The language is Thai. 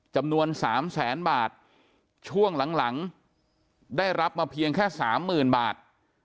จำนวน๓๐๐๐๐๐บาทช่วงหลังได้รับมาเพียงแค่๓๐๐๐๐บาท